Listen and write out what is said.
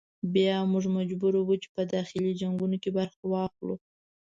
بیا موږ مجبور وو چې په داخلي جنګونو کې برخه واخلو.